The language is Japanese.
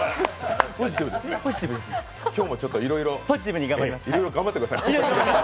今日もちょっといろいろ頑張ってください。